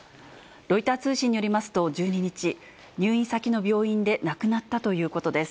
ロイター通信によりますと、１２日、入院先の病院で亡くなったということです。